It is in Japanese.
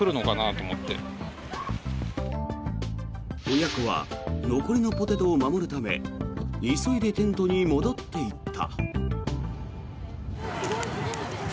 親子は残りのポテトを守るため急いでテントに戻っていった。